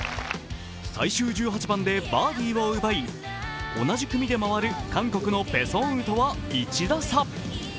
最終１８番でバーディを奪い、同じ組で回る韓国のペ・ソンウとは１打差。